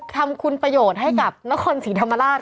ทำคุณประโยชน์ให้กับนครศรีธรรมราช